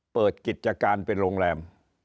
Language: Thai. เปิดกิจการเป็นโรงแรม